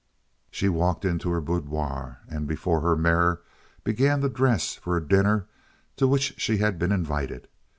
She walked into her boudoir, and before her mirror began to dress for a dinner to which she had been invited.